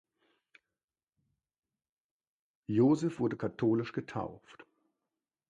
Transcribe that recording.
Josef wurde katholisch getauft.